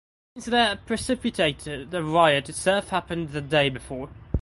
The incident that precipitated the riot itself happened the day before.